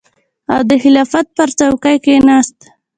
او د خلافت پر څوکۍ کېناست.